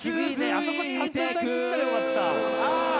あそこちゃんと歌いきったらよかった・ああ